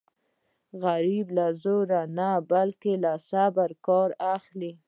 غریب له زوره نه بلکې له صبره کار اخلي